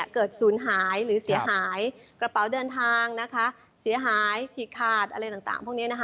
ศูนย์หายหรือเสียหายกระเป๋าเดินทางนะคะเสียหายฉีกขาดอะไรต่างพวกนี้นะคะ